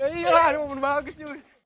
ayo lah ini momen bagus